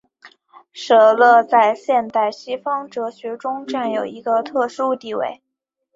舍勒在现代西方哲学中占有一个特殊地位。